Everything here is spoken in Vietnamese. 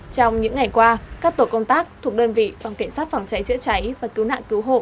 trong những ngày qua các tổ công tác thuộc đơn vị phòng cảnh sát phòng cháy chữa cháy và cứu nạn cứu hộ